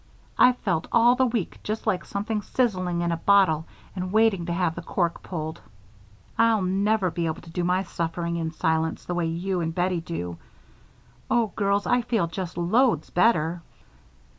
I've felt all the week just like something sizzling in a bottle and waiting to have the cork pulled! I'll never be able to do my suffering in silence the way you and Bettie do. Oh, girls, I feel just loads better."